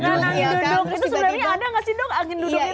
itu sebenarnya ada gak sih dok angin duduk itu